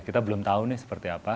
kita belum tahu nih seperti apa